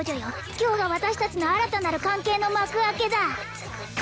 今日が私達の新たなる関係の幕開けだ